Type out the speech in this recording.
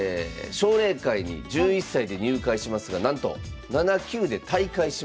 奨励会に１１歳で入会しますがなんと７級で退会します。